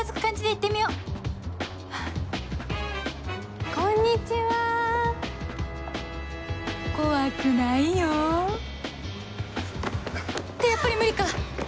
ってやっぱり無理か